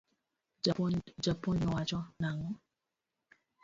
Japuonj no wacho nang'o?